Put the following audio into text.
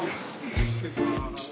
失礼します。